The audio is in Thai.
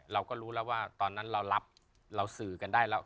เราก็รู้แล้วว่าตอนนั้นเรารับเราสื่อกันได้แล้ว